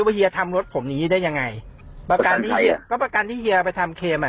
ว่าเฮียทำรถผมนี้ได้ยังไงประกันใครอ่ะก็ประกันที่เฮียไปทำเครมอ่ะ